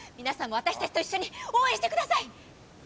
皆さんも私たちと一緒に応援してください！